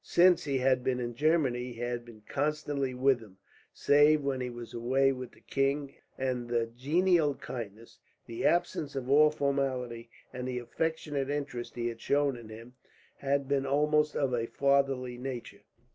Since he had been in Germany he had been constantly with him, save when he was away with the king; and the genial kindness, the absence of all formality, and the affectionate interest he had shown in him had been almost of a fatherly nature.